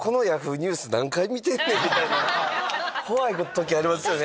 怖い時ありますよね。